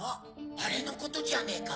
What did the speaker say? あれのことじゃねえか？